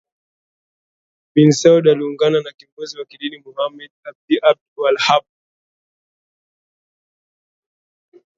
bin Saud aliungana na kiongozi wa kidini Muhammad ibn Abd alWahhab